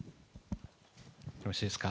よろしいですか。